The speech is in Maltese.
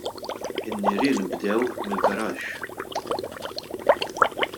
In-nirien bdew mill-garaxx.